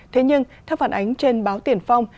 thế nhưng theo phản ánh trên báo tiền phong